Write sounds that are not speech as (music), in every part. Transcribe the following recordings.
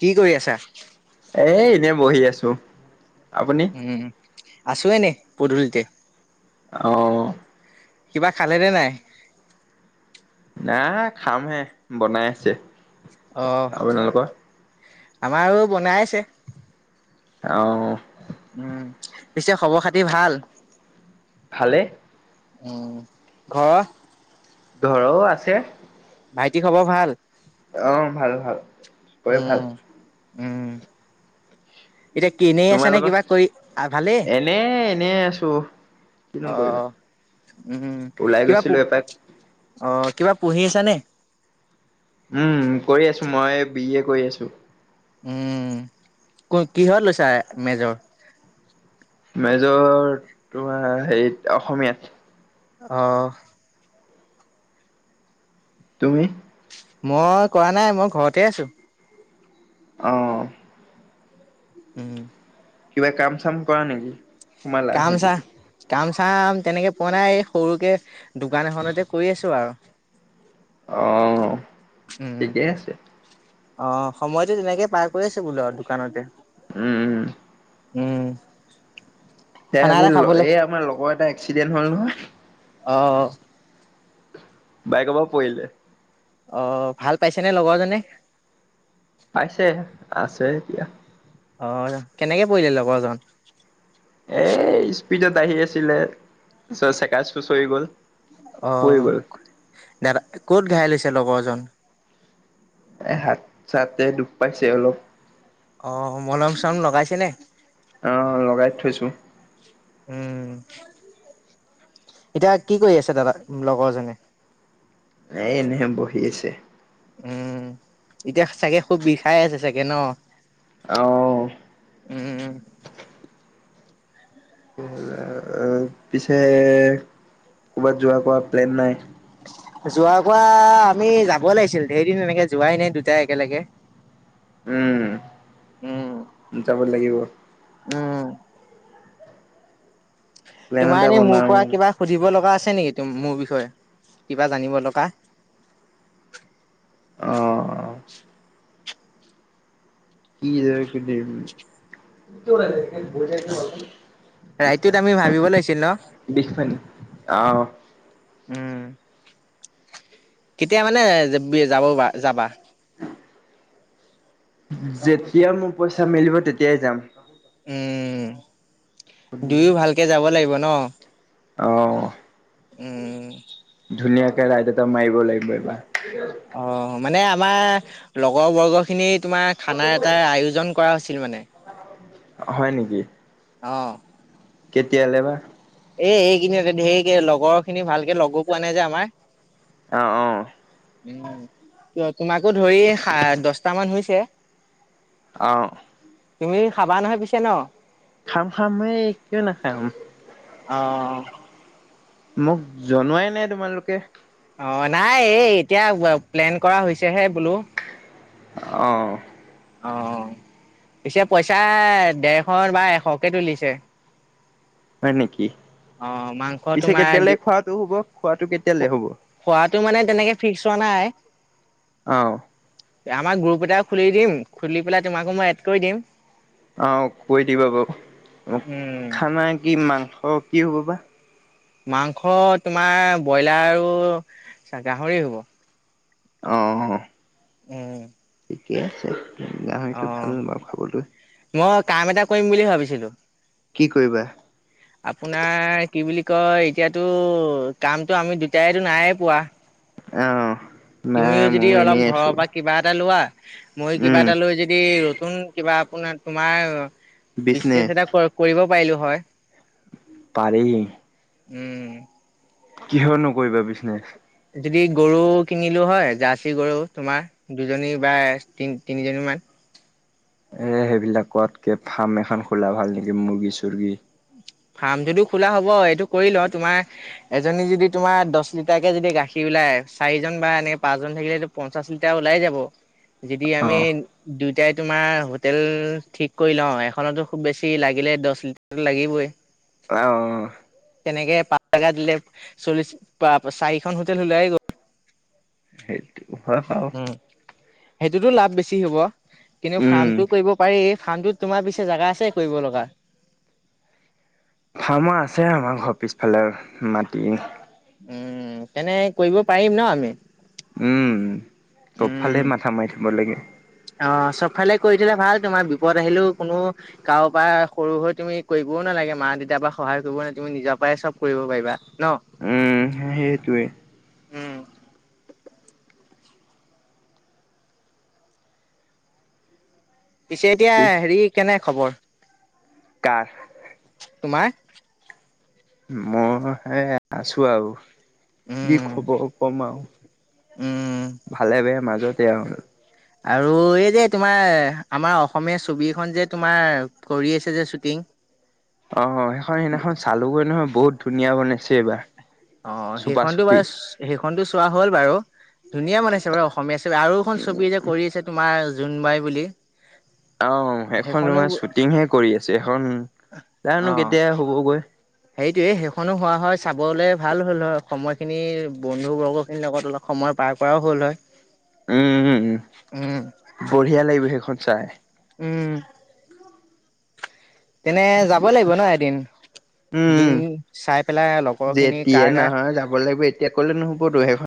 কি কৰি আছা? এই এনে বহি আছো। আপুনি উম আছো এনেই। পদুলিতে। অঁ। কিবা খালেনে নাই? না খামহে বনাই আছে। অ', আপোনালোকৰ? আমাৰো বনাইছে। অঁ। উম পিছে খবৰ খাতি ভাল? ভালে। উম ঘৰৰ? ঘৰৰো আছে। ভাইটি খবৰ ভাল? অ ভাল ভাল। চবৰে ভাল উম। উম। এতিয়া কি এনেই আছ নে তোমালোকৰ কিবা কৰি, ভালেই এনে এনে আছো কিনো অ কৰিবা উম ওলাই কিবা গৈছিলো এপাক অ কিবা পঢ়ি আছা নে? উম কৰি আছো মই বি এ কৰি আছো। উম ক কিহত লৈছা মেজৰ? মেজৰ তোমাৰ হেৰিত অসমীয়াত। আহ। তুমি? মই কৰা নাই মই ঘৰতে আছো। অঁ। উম। কিবা কাম চাম কৰা নেকি? সোমালা কাম নেকি (unintelligible) চাম তেনেকে পোৱা নাই এই সৰুকে দোকান এখনতে কৰি আছো আৰু অ উম। ঠিকেই আছে, অ সময়তো তেনেকে পাৰ কৰি আছে বোলো আৰু দোকানতে, উম উম! ! উম! (unintelligible) খানা আজি এটা খাবলে এই আমাৰ লগৰ এটা এক্সিডেণ্ট হল নহয়। অ'! বাইকৰ পৰা পৰিলে, অ ভাল পাইছেনে লগৰজনে, পাইছে আছে এতিয়া অ কেনেকে পৰিলে লগৰজন এ স্পীডত আহি আছিলে তাৰপিছত চকা চুচৰি গ'ল অ পৰি গ'ল দাদা ক'ত ঘাইল হৈছে লগৰ জন (inaudible) এ হাত চাতে দুখ পাইছে অলপ, অ মলম চম লগাইছে নে, আহ লগাই থৈছো, উম এতিয়া কি কৰি আছে দাদা লগৰজনে এ এনেহে বহি আছে, উম এতিয়া চাগে খুব বিষাই আছে চাগে ন, আহ! উম! লে পিছে ক'বাত যোৱা কোৱা প্লেন নাই, যোৱাৰ পৰা আমি যাব লাগিছিল ধৰ দিন এনেকে যোৱাই নাই দুটাই একেলগে, উম! উম! যাব লাগিব। উম! প্লেন তোমাৰ এটা এনে মোৰ বনাও পৰা কিবা সুধিব লগা আছে নেকি? মোৰ বিষয়ে কিবা জানিবলে আহ! কি? ৰাইটোত আমি ভাবিব লাগিছিল, ন বিষপানী আহ উম! কেতিয়া মানে যাব বা যাবা যেতিয়াাই মোৰ পইচা মিলিব তেতিয়াই যাম। উম! দুয়ো ভালকে যাব লাগিব। ন, আহ! ! উম। কেৰাহী দুটাত মাৰিব লাগিব এইবাৰ। অ'। মানে আমাৰ লগৰবৰ্গখিনিত তোমাৰ খানা এটা আয়োজন কৰা হৈছিল মানে হয় নেকি? অঁ। তেতিয়াহ'লে এইবাৰ এই এইখিনিতে লগৰ খিনি ভাল কে লগো পোৱা নাই যে আমাৰ অ অ উম, তোমাকো ধৰি দহটা মান হৈছে। অ'। তুমি খাবা নহয় পিছে ন। খাম খাম হে কিয় নাখাম। অ'। মোক জনোৱাই নাই তোমালোকে। অ' নাই এই এতিয়া প্লেন কৰা হৈছেহে বোলো। অ'। অ', পিছে পইচা ডেৰশ বা এশকে তুলিছে। হয় নেকি? অ, মাংস পিছে তোমাৰ কেতিয়ালৈ দি খোৱাটো হ'ব খোৱাটো কেতিয়ালৈ হ'ব? খোৱাটো মানে তেনেকে ফিক্স হোৱা নাই। অ'। আমাৰ গ্ৰুপ এটা খুলি দিম খুলি পেলাই তোমাকো মই এড কৰি দিম। অ, কৈ দিবা বাৰু অ', উম, খানা কি মাংস কি হ'ব বা? মাংস তোমাৰ ব্ৰইলাৰ আৰু গাহৰি হ'ব। অ'। উম'। (inaudible) গাহৰিটো অ' ভাল নে বাৰু খাবলৈ? মই কাম এটা কৰিম বুলি ভাবিছিলো। কি কৰিবা? আপোনাৰ কি বুলি কয় এতিয়াতো কামটো আমি দুটাইতো নায়েই পোৱা। অ' তুমিও যদি অলপ ঘৰৰ পৰা কিবা এটা লোৱা মই কিবা উম এটা লৈ যদি নতুন কিবা আপোনাৰ তোমাৰ বিজনেচ এটা কৰি কৰিব পাৰিলোঁ, হয়। পাৰিবি উম। কিহৰ নো কৰিবা? বিজনেছ? যদি গৰু কিনিলোঁ হয়, জাৰ্চী গৰু। তোমাৰ দুজনী বা তিনি-তিনিজনীমান এ, সেইবিলাক কৰাতকে ফাৰ্ম এখন খোলা ভাল নেকি? মুৰ্গী-চুৰ্গী ফাৰ্মটোতো খোলা হ'ব। এইটো কৰি লওঁ। তোমাৰ, এজনীয়ে যদি তোমাৰ দহ লিটাৰকে যদি গাখীৰ ওলাই, চাৰিজন বা এনেকে পাঁচজন থাকিলেতো পঞ্চাশ লিটাৰ ওলাই যাব। যদি অ আমি দু এতিয়াই তোমাৰ হোটেল ঠিক কৰি লওঁ। এখনতটো খুব বেছি লাগিলে দহ লিটাৰ লাগিবই। অ'। এনেকে পাঁচ (unintelligible) দিলে চল্লিশ বা চাৰিখন হোটেল ওলাই গ'ল সেইটো ঘৰ (unintelligible) উম সেইটোতো লাভ বেছি হ'ব। কিন্তু উম ফাৰ্মটোও কৰিব পাৰি ফাৰ্মটোত, তোমাৰ পিছে জাগা আছে? কৰিব লগা? ফাৰ্মৰ আছে। আমাৰ ঘৰৰ পিছফালে মাটি উম, তেন্তে কৰিব পাৰিম ন আমি? উম। উম চবফালেই মাথা মাৰি থ'ব লাগে। অ', চবফালে কৰি থ'লে ভাল। তোমাৰ বিপদ আহিলেও কোনো কাৰোৰ পৰা সৰু হৈ তুমি কৰিবও নালাগে। মা-দেউতাৰ পৰা সহায় ল'বও নালাগে। তুমি নিজৰ পৰাই চব কৰিব পাৰিবা ন? সেইটোৱেই উম, পিছে এতিয়া পিছ হেৰি, কেনে খবৰ? কাৰ? তোমাৰ মই এই, আছোঁ আৰু কি উম, খবৰ কম আৰু উম। ভালে বেয়াই মাজ তে আৰু আৰু এই যে তোমাৰ, আমাৰ অসমীয়া ছবিখন যে, তোমাৰ, কৰি আছে যে শ্বুটিং অ', সেইখন সেইদিনাখন চালোঁগৈ নহয়। বহুত ধুনীয়া বনাইছে এইবাৰ। অ', চুপা সেইখনটো চুপি ফাৰ্ষ্ট, সেইখনটো চোৱা হ'ল বাৰু ধুনীয়া বনাইছে বাৰু। অসমীয়া ছবি, আৰু এখন ছবি যে কৰি আছে তোমাৰ জোনবাই বুলি অ', সেইখন সেইখনো তোমাৰ শ্বুটিংহে কৰি আছে। সেইখন জানো কেতিয়া হ'বগৈ সেইটোৱেই। সেইখনো হোৱা হয় চাবলে ভাল হ'ল হয়, সময়খিনি বন্ধু বৰ্গখিনিৰ লগত অলপ সময় পাৰ কৰাও হ'ল হয়। উম উম উম উম বঢ়িয়া লাগিব সেইখন- চাই। উম। এনেই যাব লাগিব ন এদিন উম দিন চাই পেলাই লগৰ খিনি যেতিয়া কাৰ কাৰ- নহয় যাব লাগিব এতিয়া ক'লে (unintelligible)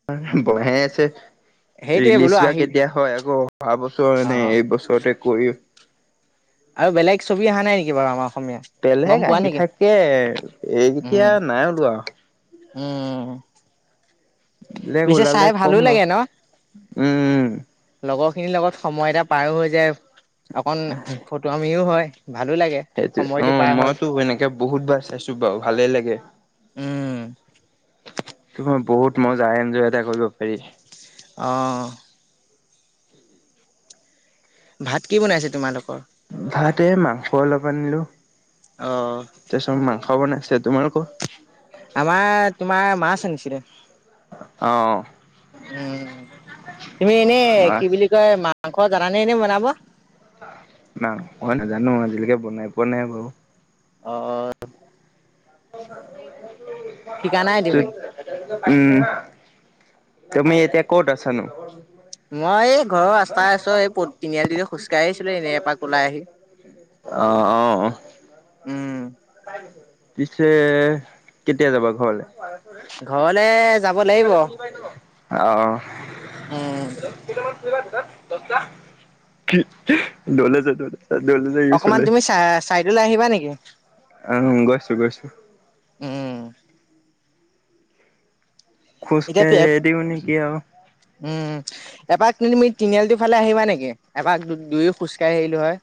সেইটোৱে ৰিলিজ বোলো বা আহিল কেতিয়া হয় আকৌ অহা বছৰ অ এনে এইবছৰতে কৰি- আৰু বেলেগ ছবি - ছবি অহা নাই নেকি বাৰু আমাৰ অসম- বেলেগ আহি থাকে উম এতিয়া নাই ওলোৱা। উম। বেলেগ পিছে ওলালে চাই ভালো কম লাগে ন বাৰু উম। লগৰ খিনিৰ লগত সময় এটা পাৰো হৈ যায়। অকন ফটোৱামিও হয়। ভালো লাগে সেইটো অ সময়টো পাৰ হয় মইতো এনেকে বহুত বাৰ চাইছো বাৰু ভালেই লাগে। উম (unintelligible) বহুত মজা এনজয় এটা কৰিব পাৰি। অহ। ভাত কি বনাইছে তোমালোক- ভাত এই মাংস অলপ আনিলো, অ'। তাৰপিছত মাংস বনাইছ- ছে। তোমালোকৰ? আমাৰ- তোমাৰ মাছ আনিছিলে। অ উম, তুমি এনেই মাছ কি বুলি কয় মা- মাংস জানানে ইনে বনাব? নাই মই নাজানো আজিলৈকে বনাই পোৱা নাই বাৰু। অ। শিকা নাই (unintelligible) তুমি? ত- উম, তুমি এতিয়া ক'ত আছানো? মই এই ঘৰৰ ৰাস্তা ওচৰৰ এই তিনিআলি খোজ কাঢ়িছিলো ইনে এপাক ওলাই আহি অ অ উম। পিছে কেতিয়া যাবা ঘৰলে? ঘৰলে- যাব লাগিব। অ। উম, (unintelligible) (unintelligible) য'ত-ত'ত অকণমান তুমি চাই-চাইডলৈ আহিবা নেকি? অ', গৈছোঁ, গৈছোঁ। উম, খোজ এতিয়া পে কাঢ়িয়ে দিওঁ নেকি‌‌ আৰু। উম, এপাক তুমি তিনিআলিটো ফালে আহিবা নেকি? এপাক দু-দুয়ো খোজকাঢ়ি আহিলোঁ হয়।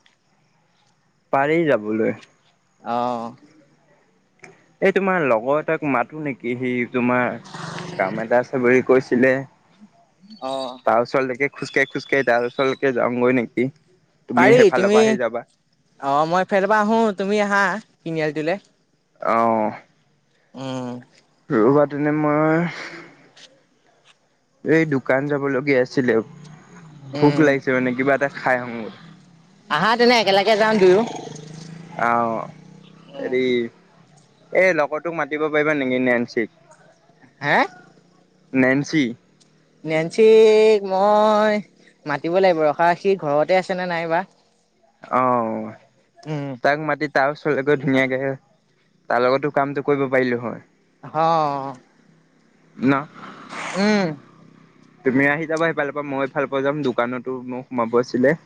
পাৰি যাবলৈ। অ'। এই তোমাৰ লগৰ এটাক মাতো নেকি? সি তোমাৰ কাম এটা আছে বুলি কৈছ চিলে অ'। তাৰ ওচৰ লৈকে খোজকাঢ়ি, খোজকাঢ়ি তাৰ ওচৰলৈকে যাওঁগৈ নেকি। তুমি পাৰি সেইফালৰ তুমি পৰা আহি যাবা অ মই সেইফালৰ পৰা আহো তুমি আহা। তিনিআলী তুলে। অহ। উম। ৰবা তেনে মই এই দোকান যাব লগগীয়া আছিলে। ভোক উম, লাগিছে মানে কিবা এটা খাই আহোঁ (unintelligible) এজান দুয়ো (unintelligible) আ‌ অ, হেৰি এ লগটোক মাতিব পাৰিবা নেকি ন নেনচিক? হে? নেনচি? নেঞ্চিক মই মাতিব লাগিব ৰখা, সি ঘৰতে আছে নে নাইবা। অ' তাগ মাতিত তাৰ ওচৰলে গৈ ধুনীয়াকে হে তাৰ লগতো কামটো কৰিব পাৰিলো হয়। আহ। ন উম। তুমি আহি যাবা সেইফালৰ পৰা মই এইফালৰ পৰা যাম দোকানতো মোক সোমাব আছিলে।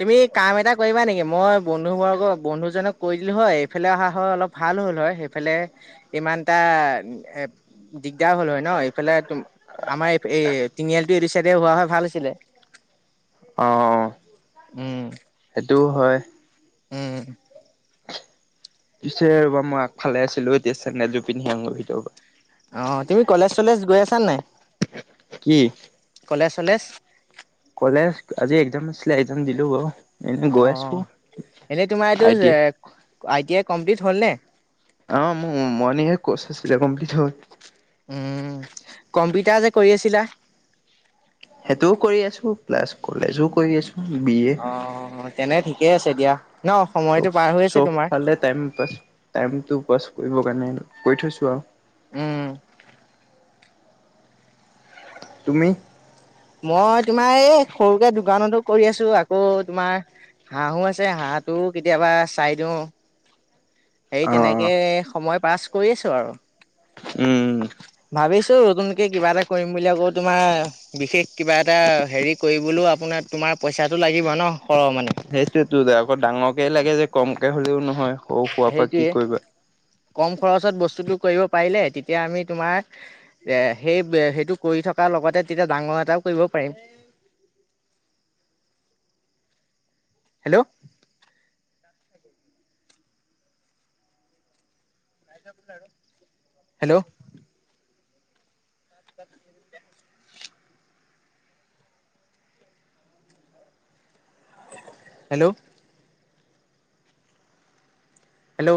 তুমি কাম এটা কৰিবা নেকি মই বন্ধু বৰ্গ বন্ধুজনক কৈ দিলো হয় এইফালে অহা হয় অলপ ভাল হল হয় সেইফালে ইমান এটা দিগদাৰ হল হয় ন এইফালে উম আমাৰ এই এই টিনিআলিটো এইটো চাইডে হোৱা হয় ভাল আছিলে। অ'। উম, সেইটোও হয়। উম। পিছে ৰ'বা মই আগফালে আছিলোঁ, এতিয়া চেন্দেলযোৰ পিন্ধি আহোগৈ ভিতৰপা। অ', তুমি কলেজ চলেজ গৈ আছা কি? কলেচ ছলেজ কলেজ, আজি একজাম আছিলে একজাম দিলো বাও। অ', এনেই তোমাৰ এইটো আই টি যে আই। ক আই-টি-আই কমপ্লিট হ'ল নে? অ', মৰনিঙে নে কচ আছিলে কম্পলিট হ'ল। উম, কম্পিউটাৰ যে কৰি আছিলা সেইটোও কৰি আছো, প্লাছ কলেজ ও কৰি আছোঁ। অ', তেনে থিক কে, আছে দিয়া। ন চব সময়টো পাৰ হৈ - আছে চব তোমাৰ ফালে টাইম পাছ, টাইম টো পাছ কৰিব কাৰণে কৰি থৈছো আৰু। উম। তুমি? মই তোমাৰ এই সৰুকে দোকানতো কৰি আছো, আকৌ তোমাৰ হাঁহো আছে হাঁহটোও কেতিয়াবা চাই দিওঁ হেই অ তেনেকে সময় পাছ কৰিছোঁ আৰু। উম। ত' নতুনকৈ কিবা এটা কৰিম বুলি আকৌ তোমাৰ বিশেষ কিবা এটা হেৰি কৰিবলৈও আপোনাৰ তোমাৰ পইচাটো লাগিব ন? সৰহ মানে সেইটোয়েটো আকৌ ডাঙৰকে লাগে যে, কম কমকে হ'লেও নহয়। (unintelligible) পৰা কি সেইটোৱে। কৰিবা কম খৰচত বস্তুটো কৰিব পাৰিলে তেতিয়া আমি তোমাৰ এ, সেই, সেইটো কৰি থকাৰ লগতে তেতিয়া ডাঙৰ এটাও কৰিব পাৰিম। Hello hello. হেল্ল'। হেল্ল'।